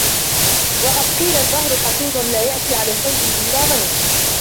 وَقَدْ قِيلَ الدَّهْرُ حَسُودٌ لَا يَأْتِي عَلَى شَيْءٍ إلَّا غَيَّرَهُ